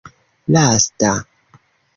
lasta